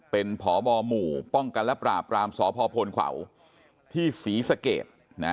เป็นพบหมู่ป้องกันและปราบรามสพพลเขาที่ศรีสเกต